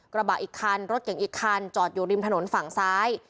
กระบะอีกคันรถเก่งอีกคันจอดอยู่ริมถนนฝั่งซ้าย